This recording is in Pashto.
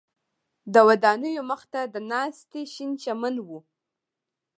د ودانیو مخ ته د ناستي شین چمن و.